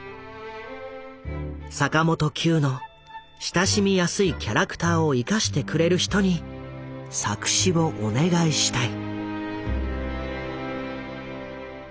坂本九の親しみやすいキャラクターを生かしてくれる人に作詞をお願いしたい。